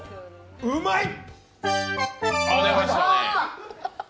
うまいっ！